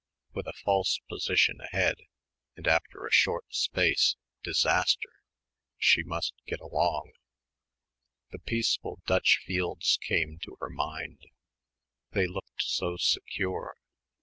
With a false position ahead and after a short space, disaster, she must get along. The peaceful Dutch fields came to her mind. They looked so secure.